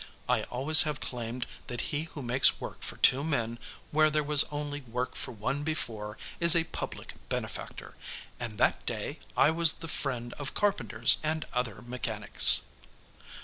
I always have claimed that he who makes work for two men where there was only work for one before, is a public benefactor, and that day I was the friend of carpenters and other mechanics.